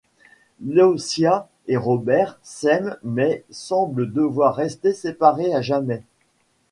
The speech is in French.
Lotia et Robert s'aiment mais semblent devoir rester séparés à jamais.